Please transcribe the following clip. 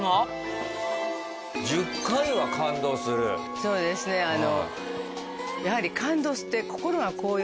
そうですねあの。